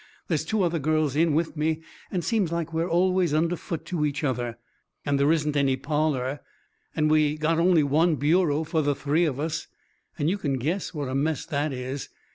There's two other girls in with me, and seems like we're always under foot to each other. And there isn't any parlour, and we got only one bureau for the three of us, and you can guess what a mess that is.